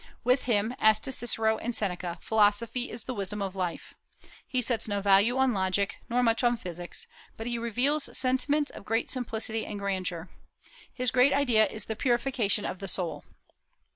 With him, as to Cicero and Seneca, philosophy is the wisdom of life. He sets no value on logic, nor much on physics; but he reveals sentiments of great simplicity and grandeur. His great idea is the purification of the soul.